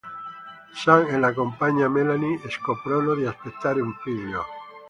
Sam e la compagna Melanie, scoprono di aspettare un figlio.